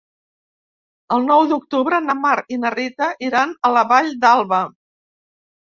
El nou d'octubre na Mar i na Rita iran a la Vall d'Alba.